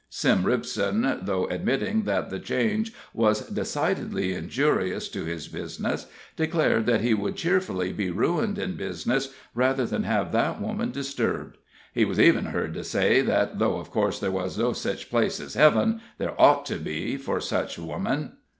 Sim Ripson, though admitting that the change was decidedly injurious to his business, declared that he would cheerfully be ruined in business rather than have that woman disturbed; he was ever heard to say that, though of course there was no such place as heaven, there ought to be, for such woman.